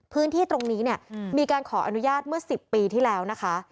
พื้นที่ตรงนี้เนี่ยมีการขออนุญาตเมื่อ๑๐ปีที่แล้วนะคะ